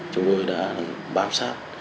chúng tôi đã bám sát